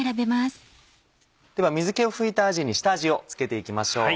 では水気を拭いたあじに下味を付けて行きましょう。